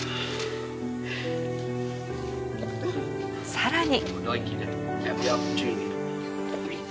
さらに。